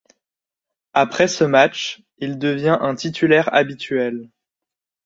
Après ce match, il devient un titulaire habituel.